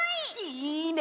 いいね！